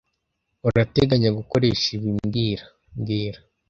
Urateganya gukoresha ibi mbwira mbwira